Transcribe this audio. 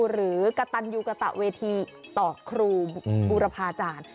กระตันยูกระตะเวทีต่อครูบูรพาจารย์